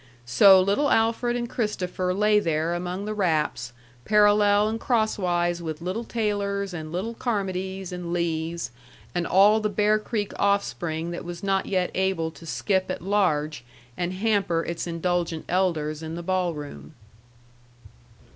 So little Alfred and Christopher lay there among the wraps, parallel and crosswise with little Taylors, and little Carmodys, and Lees, and all the Bear Creek offspring that was not yet able to skip at large and hamper its indulgent elders in the ball room.